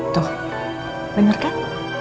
tuh bener kan